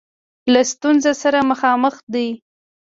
له ستونزه سره مخامخ دی.